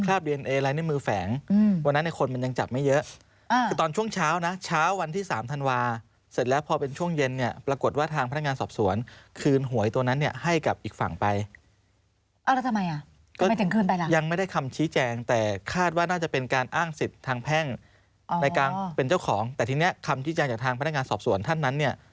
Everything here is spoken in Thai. อ่าใส่ทุ่มอ่าใส่ทุ่มอ่าใส่ทุ่มอ่าใส่ทุ่มอ่าใส่ทุ่มอ่าใส่ทุ่มอ่าใส่ทุ่มอ่าใส่ทุ่มอ่าใส่ทุ่มอ่าใส่ทุ่มอ่าใส่ทุ่มอ่าใส่ทุ่มอ่าใส่ทุ่มอ่าใส่ทุ่มอ่าใส่ทุ่มอ่าใส่ทุ่มอ่าใส่ทุ่มอ่าใส่ทุ่มอ่าใส่